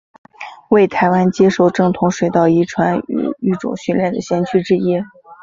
为台湾接受正统水稻遗传与育种训练的先驱之一。